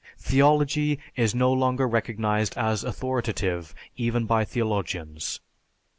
_Theology is no longer recognized as authoritative even by theologians!